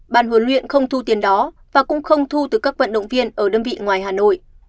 bàn huấn luyện không thu tiền đó và cũng không thu từ các vận động viên ở đơn vị ngoài hà nội